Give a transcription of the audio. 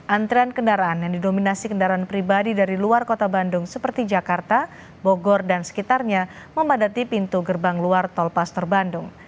antrian kendaraan yang didominasi kendaraan pribadi dari luar kota bandung seperti jakarta bogor dan sekitarnya memadati pintu gerbang luar tolpaster bandung